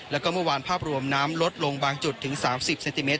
แล้วก็เมื่อวานภาพรวมน้ำลดลงบางจุดถึง๓๐เซนติเมต